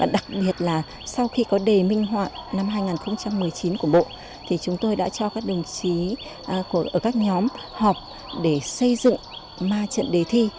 đặc biệt là sau khi có đề minh họa năm hai nghìn một mươi chín của bộ thì chúng tôi đã cho các đồng chí ở các nhóm họp để xây dựng ma trận đề thi